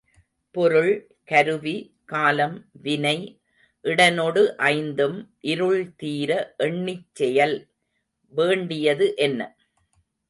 பொருள் கருவி காலம் வினை இடனொடு ஐந்தும் இருள் தீர எண்ணிச் செயல். வேண்டியது என்ன?